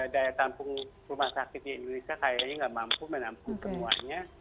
daya tampung rumah sakit di indonesia kayaknya nggak mampu menampung semuanya